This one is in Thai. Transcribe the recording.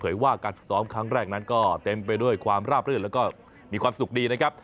ว่าการฝึกซ้อมครั้งแรกนั้นก็เต็มไปด้วยความราบรื่นแล้วก็มีความสุขดีนะครับ